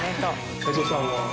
齋藤さんは？